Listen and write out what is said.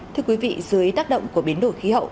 thưa quý vị dưới tác động của biến đổi khí hậu